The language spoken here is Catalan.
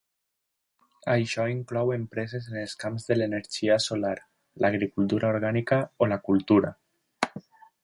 Això inclou empreses en els camps de l'energia solar, l'agricultura orgànica o la cultura.